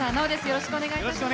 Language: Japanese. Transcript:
よろしくお願いします。